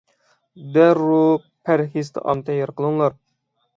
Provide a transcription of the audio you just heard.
دەررۇ پەرھىز تائام تەييار قىلىڭلار!